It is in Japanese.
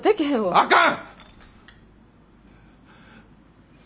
あかん！